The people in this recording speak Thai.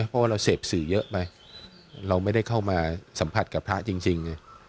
เพราะว่าเราเสพสื่อเยอะไปเราไม่ได้เข้ามาสัมผัสกับพระจริง